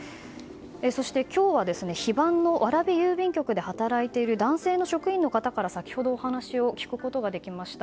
そして、今日は非番の蕨郵便局で働いている男性の職員の方から先ほどお話を聞くことができました。